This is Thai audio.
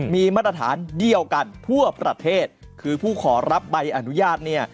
มีมาตรฐานเดียวกันทั่วประเทศคือผู้ขอรับใบอนุญาตเนี่ย